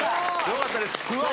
よかったです。